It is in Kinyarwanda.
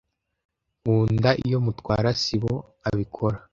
Nkunda iyo Mutwara sibo abikora.